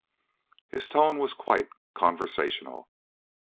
His tone was quite conversational.